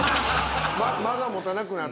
間がもたなくなって。